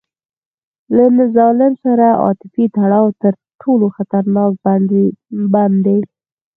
له ظالم سره عاطفي تړاو تر ټولو خطرناک بند دی.